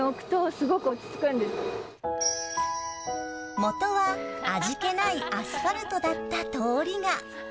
元は味気ないアスファルトだった通りが。